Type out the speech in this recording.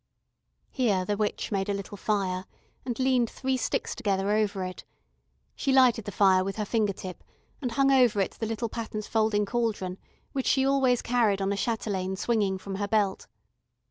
Here the witch made a little fire, and leaned three sticks together over it; she lighted the fire with her finger tip and hung over it the little patent folding cauldron, which she always carried on a chatelaine swinging from her belt.